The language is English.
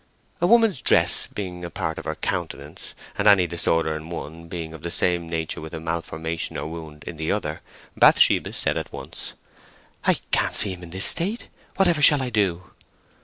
A woman's dress being a part of her countenance, and any disorder in the one being of the same nature with a malformation or wound in the other, Bathsheba said at once— "I can't see him in this state. Whatever shall I do?"